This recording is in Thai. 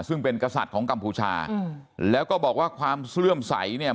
ซึ่งเป็นกษัตริย์ของกัมพูชาแล้วก็บอกว่าความเสื่อมใสเนี่ย